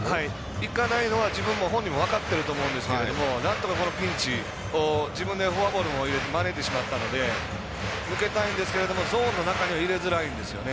いかないのは本人も分かってると思うんですけどなんとか、このピンチを自分でフォアボールも招いてしまったので抜けたいんですけどゾーンの中には入れづらいんですよね。